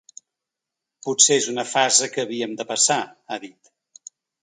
Potser és una fase que havíem de passar, ha dit.